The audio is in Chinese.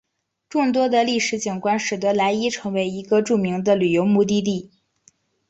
众多的历史景观使得莱伊成为一个著名的旅游目的地。